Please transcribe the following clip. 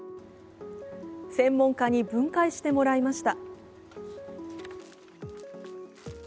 専門家に分解してもらいました。